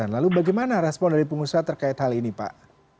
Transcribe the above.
lalu bagaimana respon dari pengusaha terkait hal ini pak